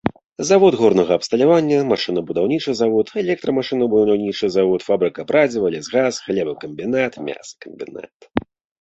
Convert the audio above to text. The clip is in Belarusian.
Завод горнага абсталявання, машынабудаўнічы завод, электрамашынабудаўнічы завод, фабрыка прадзіва, лясгас, хлебакамбінат, мясакамбінат.